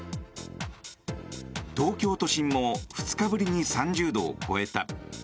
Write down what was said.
東京都心も２日ぶりに３０度を超えた。